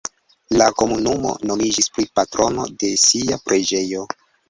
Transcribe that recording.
La komunumo nomiĝis pri patrono de sia preĝejo.